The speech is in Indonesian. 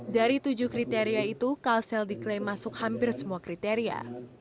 dari tujuh kriteria itu kalsel diklaim masuk hampir semua kriteria